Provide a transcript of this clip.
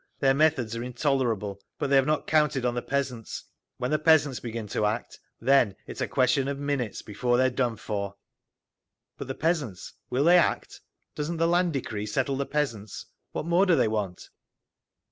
Their methods are intolerable. But they have not counted on the peasants…. When the peasants begin to act, then it is a question of minutes before they are done for." "But the peasants—will they act? Doesn't the Land decree settle the peasants? What more do they want?"